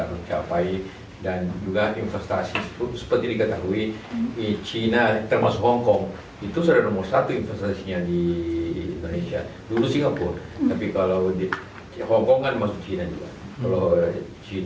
hongkong kan masuk china juga kalau china dan hongkong digabung itu sedikit masalah di indonesia dan akan meningkat terus ini karena mereka sudah mengantosias berhubungan dengan mereka semuanya